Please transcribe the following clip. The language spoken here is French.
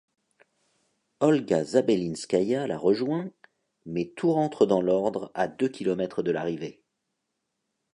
Olga Zabelinskaya la rejoint, mais tout rentre dans l'ordre à deux kilomètres de l'arrivée.